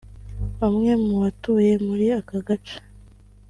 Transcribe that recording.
Bamwe mu batuye muri aka gace